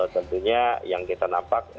tentunya yang kita nampak